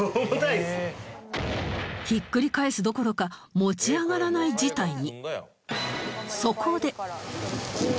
ひっくり返すどころか持ち上がらない事態に